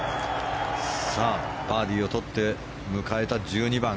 バーディーを取って迎えた１２番。